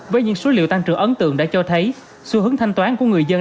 với những số liệu tăng trưởng ấn tượng đã cho thấy xu hướng thanh toán của người dân